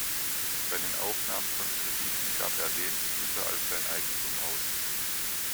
Bei den Aufnahmen von Krediten gab er Lehnsgüter als sein Eigentum aus.